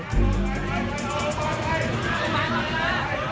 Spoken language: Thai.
ไทรรัติทศิลปิดโดยละเอียดอีกครั้ง